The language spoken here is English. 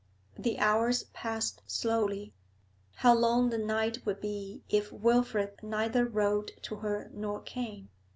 The hours passed slowly; how long the night would be if Wilfrid neither wrote to her nor came.